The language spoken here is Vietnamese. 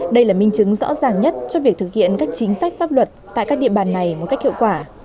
đây là minh chứng rõ ràng nhất cho việc thực hiện các chính sách pháp luật tại các địa bàn này một cách hiệu quả